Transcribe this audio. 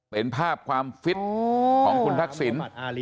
เป็นภาพความฟิตของคุณทักษิณ